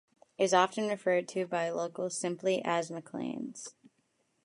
Is often referred to by locals simply as McLain's.